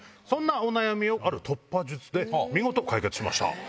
そんなお悩みをある突破術で見事解決しました。